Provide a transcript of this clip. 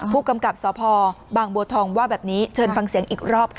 ผู้กำกับสพบางบัวทองว่าแบบนี้เชิญฟังเสียงอีกรอบค่ะ